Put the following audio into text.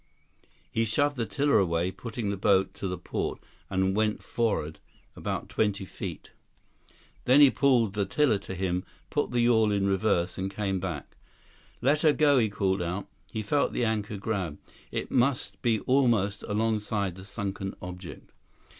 He shoved the tiller away, putting the boat to the port, and went forward about twenty feet. Then he pulled the tiller to him, put the yawl in reverse, and came back. "Let 'er go," he called out. He felt the anchor grab. It must be almost alongside the sunken object.